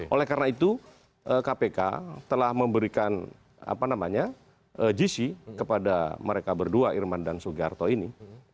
oleh karena itu kpk telah memberikan gc kepada mereka berdua irman dan sugiharto ini